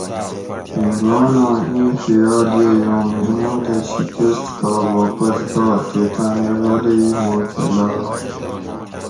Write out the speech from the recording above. ھندواناں این خیال یئ اوُں محمودہ شِکست کھا واپس گۤا تے تانی غلہ ئ ماکہ لاڑائ